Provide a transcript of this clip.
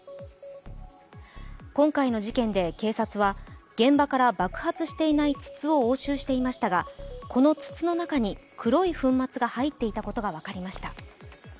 今回の事件で警察は現場から爆発していない筒を押収していましたが、この筒の中に黒い粉末が入っていたことが分かりました。